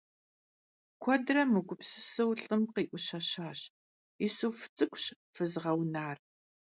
Kuedre mıgupsıseu lh'ım khi'uşeşaş: - Yisuf ts'ık'uş fızığeunar.